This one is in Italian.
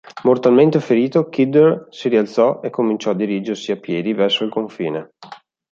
Mortalmente ferito, Kidder si rialzò e cominciò a dirigersi a piedi verso il confine.